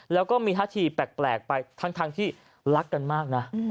แล้วก็มีท่าทีแปลกไปทั้งที่รักกันมากนะ